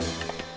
kau tau tak